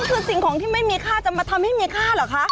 คือสิ่งของที่ไม่มีค่าจะมาทำให้มีค่าเหรอคะ